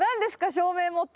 照明持って。